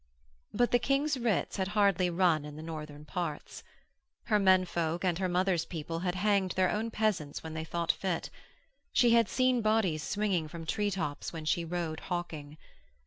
But the King's writs had hardly run in the Northern parts. Her men folk and her mother's people had hanged their own peasants when they thought fit. She had seen bodies swinging from tree tops when she rode hawking.